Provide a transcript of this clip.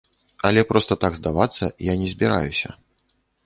Але проста так здавацца я не збіраюся.